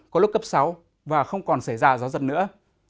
có lúc cấp sáu và không còn xảy ra gió giật nữa